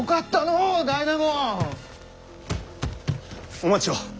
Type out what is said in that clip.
お待ちを。